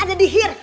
ya meli gitu